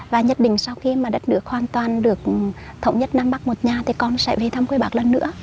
và nhất định sau khi mà đất nước hoàn toàn được thống nhất nam bắc một nhà thì con sẽ về thăm quê bạc lần nữa